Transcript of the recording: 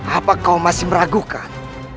apa kau masih meragukan